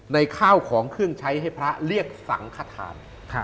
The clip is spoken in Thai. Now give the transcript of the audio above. ข้าวของเครื่องใช้ให้พระเรียกสังขทาน